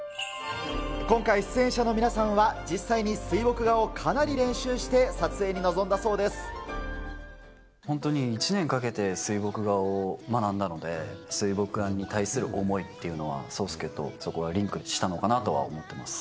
今回、出演者の皆さんは実際に水墨画をかなり練習して、撮影に臨本当に１年かけて水墨画を学んだので、水墨画に対する思いっていうのは、霜介とそこがリンクしたのかなとは思ってます。